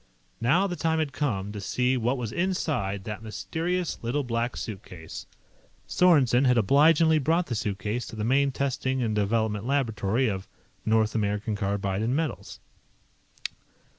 Now the time had come to see what was inside that mysterious Little Black Suitcase. Sorensen had obligingly brought the suitcase to the main testing and development laboratory of North American Carbide & Metals.